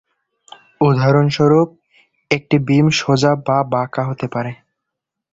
উদাহরণস্বরূপ, একটি বীম সোজা বা বাঁকা হতে পারে।